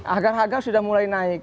agar harga sudah mulai naik